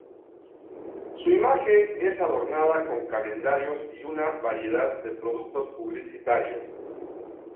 Su imagen es adornada con calendarios y una variedad de productos publicitarios.